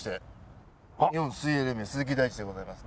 日本水泳連盟鈴木大地でございます。